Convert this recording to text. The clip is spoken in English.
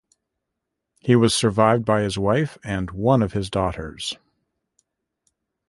He was survived by his wife and one of his daughters.